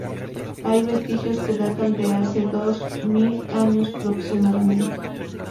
Hay vestigios que datan de hace dos mil años aproximadamente.